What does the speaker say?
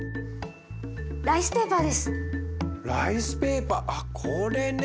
ライスペーパーです。